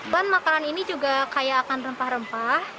ban makanan ini juga kaya akan rempah rempah